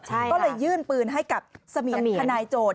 ก็เลยยื่นปืนให้กับเสมียนทนายโจทย